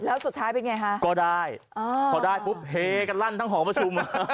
แล้วสุดท้ายเป็นไงฮะก็ได้พอได้ปุ๊บเฮกันลั่นทั้งหอประชุม